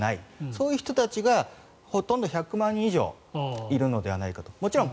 そういう人たちがほとんど１００万人以上いるのではないかと。